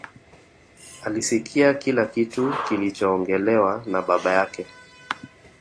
Alisikia kila kitu kilichoongelewa na baba yake